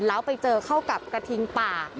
แล้วไปเจอเข้ากับกระทิงป่า